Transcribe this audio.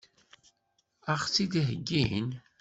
Ad ɣ-tt-id-heggin?